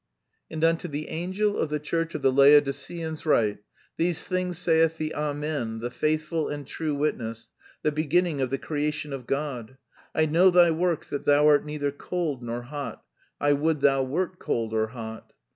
"'And unto the angel of the church of the Laodiceans write: These things saith the Amen, the faithful and true witness, the beginning of the creation of God; "'I know thy works, that thou art neither cold nor hot; I would thou wert cold or hot.